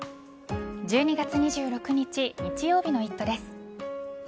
１２月２６日日曜日の「イット！」です。